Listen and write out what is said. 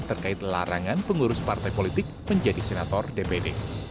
terkait larangan pengurus partai politik menjadi senator dpd